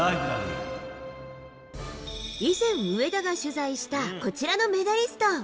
以前、上田が取材したこちらのメダリスト。